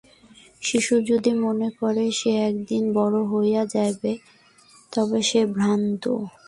শিশু যদি মনে করে, সে একদিনেই বড় হইয়া যাইবে, তবে সে ভ্রান্ত।